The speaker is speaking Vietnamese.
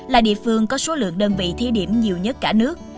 là địa phương có số lượng đơn vị thí điểm nhiều nhất cả nước